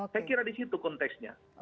saya kira di situ konteksnya